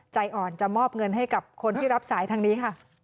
ใจอ่อนจะมอบเงินให้กับคนที่รับสายทางนี้ค่ะ